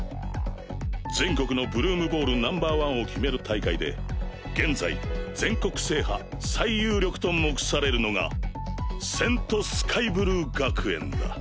全国のブルームボールナンバー１を決める大会で現在全国制覇最有力と目されるのが聖スカイブルー学園だ。